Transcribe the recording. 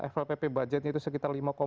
flpp budgetnya itu sekitar lima enam